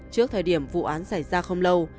trước thời điểm vụ án xảy ra không lâu